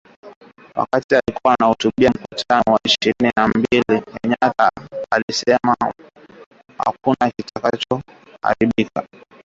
Wakati akihutubia Mkutano wa ishirini na mbili wa Wakuu wa Nchi wa Jumuiya ya Afrika Mashariki, Rais Kenyatta alisema "kuwa hakuna kitakacho haribika"!!